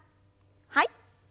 はい。